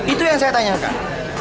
itu yang saya tanyakan